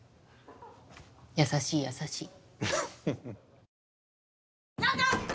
優しい優しい。